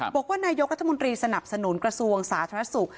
บอกว่านายกรัฐมนตรีสนับสนุนกระทรวงสาธารณสุข